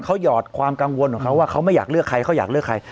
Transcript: เขาหยอดความกังวลของเขาว่าเขาไม่อยากเลือกใครเขาอยากเลือกใคร